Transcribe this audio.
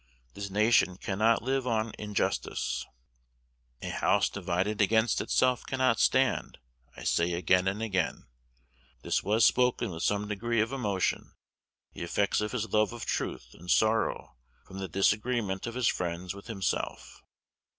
This nation cannot live on injustice, "a house divided against itself cannot stand," I say again and again.' This was spoken with some degree of emotion, the effects of his love of truth, and sorrow from the disagreement of his friends with himself."